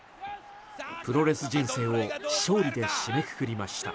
プロレス人生を勝利で締めくくりました。